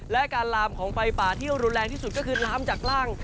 และการลามของไฟป่าที่รุนแรงที่สุดก็คือน้ำจากล่าง